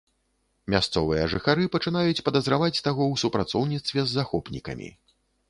Мясцовыя жыхары пачынаюць падазраваць таго ў супрацоўніцтве з захопнікамі.